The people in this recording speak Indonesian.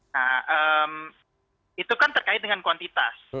nah itu kan terkait dengan kuantitas